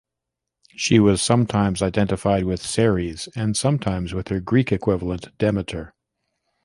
She was sometimes identified with Ceres, and sometimes with her Greek equivalent Demeter.